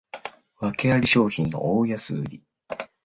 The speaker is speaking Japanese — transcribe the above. わけあり商品の大安売り